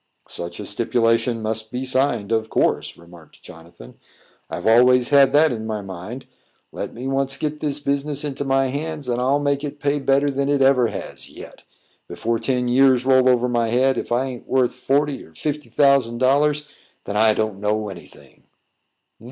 "Such a stipulation must be signed, of course," remarked Jonathan. "I've always had that in my mind; let me once get this business into my hands, and I'll make it pay better than it ever has yet. Before ten years roll over my head, if I a'n't worth forty or fifty thousand dollars, then I don't know any thing."